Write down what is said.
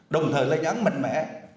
đồng thời lên án mạnh mẽ